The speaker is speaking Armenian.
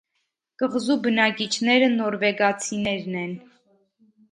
Կղզու բնակիչները նորվեգացիներն են։